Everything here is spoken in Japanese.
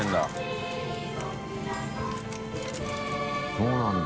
そうなんだ。